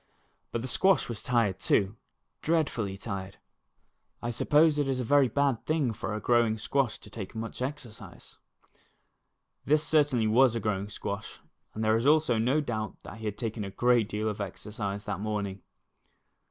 But the squash was tired, too, dreadfully tired. I suppose it is a very bad thing for a growing squash to take much exercise. This certainly was a growing squash, and there is also no doubt that he had taken a great deal of exercise that morning.